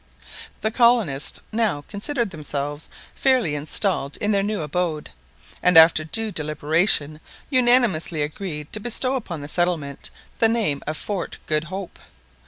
The colonists now considered themselves fairly installed stalled in their new abode, and after due deliberation unanimously agreed to bestow upon the settlement the name of Fort Good Hope.